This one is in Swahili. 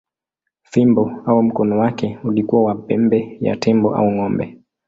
Fimbo au mkono wake ulikuwa wa pembe ya tembo au ng’ombe.